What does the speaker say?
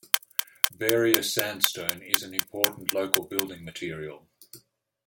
Berea sandstone, is an important local building material.